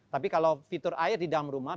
tapi kalau fitur air di dalam rumah